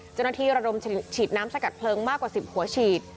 ระดมฉีดน้ำสกัดเพลิงมากกว่า๑๐หัวฉีด